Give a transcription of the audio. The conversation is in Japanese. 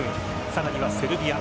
更にはセルビア。